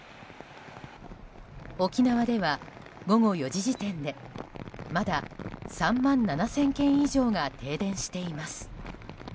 沖縄では、午後４時時点でまだ３万７０００軒以上が停電しています。